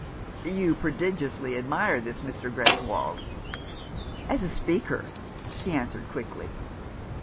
" You prodigiously admire this Mr. Greswold ?"" As a speaker," she answered quickly.